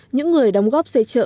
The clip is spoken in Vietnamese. những người đóng góp xây chợ